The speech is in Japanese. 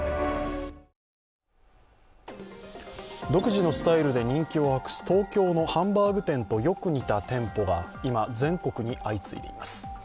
独自のスタイルで人気を博す東京のハンバーグ店とよく似た店舗が今、全国に相次いでいます。